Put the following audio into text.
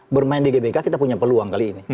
bermain di gbk kita punya peluang kali ini